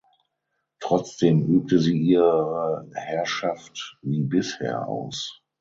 Trotzdem übte sie ihre Herrschaft wie bisher aus.